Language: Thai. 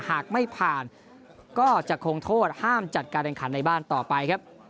หากไม่ผ่านก็จะคงโทษห้ามจัดการแข่งขันในบ้านต่อไปครับ